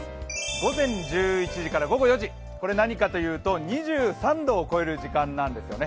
午前１１時から午後４時、これは何かというと、２３度を超える時間なんですよね。